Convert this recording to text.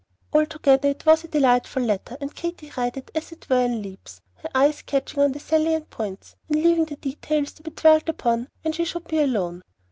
Altogether it was a delightful letter, and Katy read it, as it were, in leaps, her eyes catching at the salient points, and leaving the details to be dwelt upon when she should be alone.